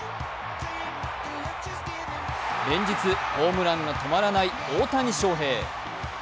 連日ホームランが止まらない大谷翔平。